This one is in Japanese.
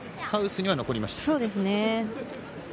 ハウスには残りました。